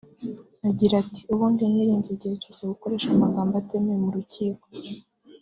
Agira ati “Ubundi nirinze igihe cyose gukoresha amagambo atemewe mu Rukiko